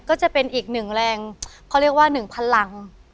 ก็จะเป็นอีกหนึ่งแรงเขาเรียกว่าหนึ่งพลัง